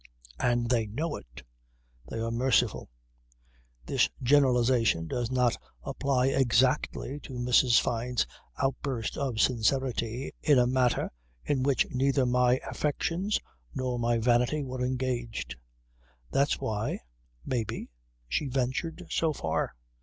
And they know it. They are merciful. This generalization does not apply exactly to Mrs. Fyne's outburst of sincerity in a matter in which neither my affections nor my vanity were engaged. That's why, may be, she ventured so far.